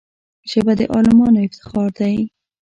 ژبه د عالمانو افتخار دی